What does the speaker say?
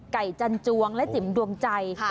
จันจวงและจิ๋มดวงใจ